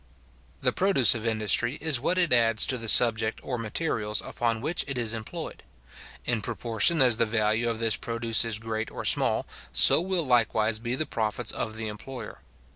The produce of industry is what it adds to the subject or materials upon which it is employed. In proportion as the value of this produce is great or small, so will likewise be the profits of the employer.